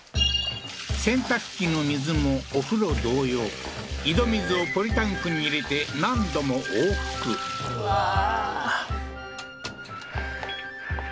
洗濯機の水もお風呂同様井戸水をポリタンクに入れて何度も往復うわー